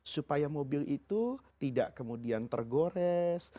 supaya mobil itu tidak kemudian tergores